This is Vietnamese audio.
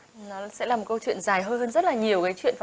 nó sẽ là một câu chuyện dài hơn rất là nhiều